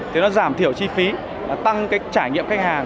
thì nó giảm thiểu chi phí tăng cái trải nghiệm khách hàng